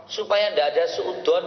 supaya enggak ada seudon